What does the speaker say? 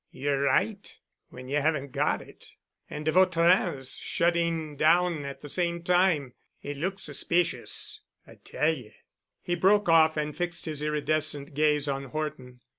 "Ye're right—when ye haven't got it. And de Vautrin's shutting down at the same time. It looks suspicious, I tell ye." He broke off and fixed his iridescent gaze on Horton.